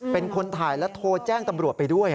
เป็นคนถ่ายและโทรแจ้งตำรวจไปด้วย